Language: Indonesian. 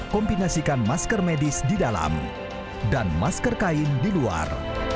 kombinasikan masker medis di dalam dan masker kain di luar